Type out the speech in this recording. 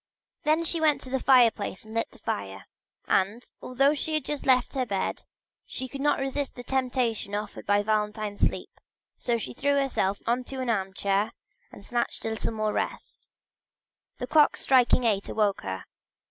Then she went to the fireplace and lit the fire, and although she had just left her bed, she could not resist the temptation offered by Valentine's sleep, so she threw herself into an armchair to snatch a little more rest. The clock striking eight awoke her.